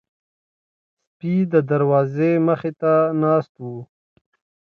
سپي د دروازې مخې ته ناست وو.